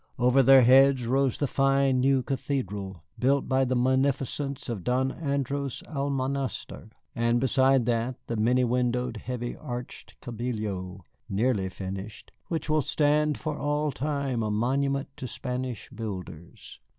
Over their heads rose the fine new Cathedral, built by the munificence of Don Andreas Almonaster, and beside that the many windowed, heavy arched Cabildo, nearly finished, which will stand for all time a monument to Spanish builders.